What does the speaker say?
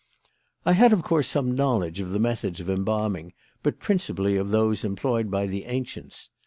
"I had, of course, some knowledge of the methods of embalming, but principally of those employed by the ancients.